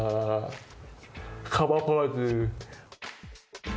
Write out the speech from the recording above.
カバポーズ。